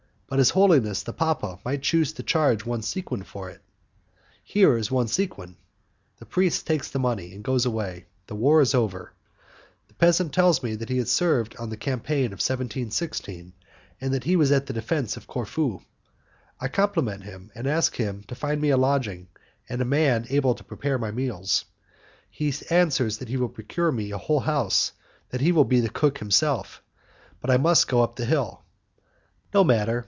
"But his holiness, the papa, might choose to charge one sequin for it." "Here is one sequin." The priest takes the money and goes away: war is over. The peasant tells me that he has served in the campaign of 1716, and that he was at the defence of Corfu. I compliment him, and ask him to find me a lodging and a man able to prepare my meals. He answers that he will procure me a whole house, that he will be my cook himself, but I must go up the hill. No matter!